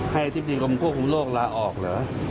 อธิบดีกรมควบคุมโรคลาออกเหรอ